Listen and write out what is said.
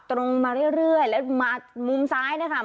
ตรงมาเรื่อยแล้วมามุมซ้ายนะคะ